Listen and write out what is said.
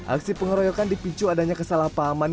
aksi pengeroyokan dipicu adanya kesalahpahaman